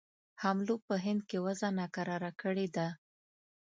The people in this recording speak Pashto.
حملو په هند کې وضع ناکراره کړې ده.